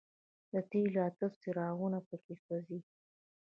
د تېلو اته څراغونه په کې سوځي.